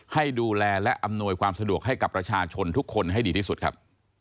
ให้ดูแลและอำนวยความสะดวกให้กับประชาชนทุกคนให้ดีที่สุดครับ